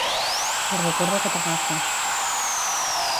Corre corre que t'agafa